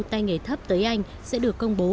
tay nghề thấp tới anh sẽ được công bố